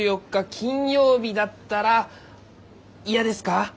金曜日だったら嫌ですか？